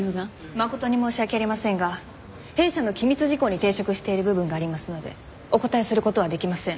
誠に申し訳ありませんが弊社の機密事項に抵触している部分がありますのでお答えする事はできません。